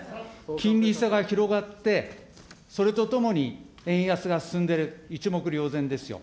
金利差が広がって、それとともに円安が進んでる、一目瞭然ですよ。